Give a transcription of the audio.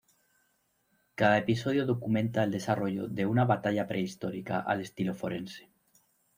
Cada episodio documenta el desarrollo de una batalla prehistórica al estilo forense.